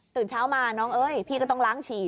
เช้ามาน้องเอ้ยพี่ก็ต้องล้างฉี่